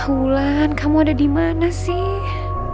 bulan kamu ada di mana sih